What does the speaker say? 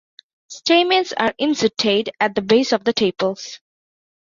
Stamens are inserted at the base of the tepals.